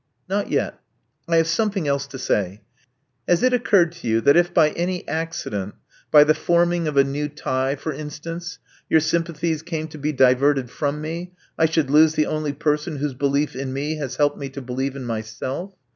Not yet. I have something else to say. Has it occurred to you that if by any accident — by the forming of a new tie, for instance — your sympathies came to be diverted from me, I should lose the only person whose belief in me has helped me to believe in myself?